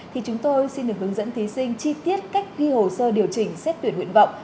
thì chúng tôi xin được hướng dẫn thí sinh chi tiết cách ghi hồ sơ điều chỉnh xét tuyển nguyện vọng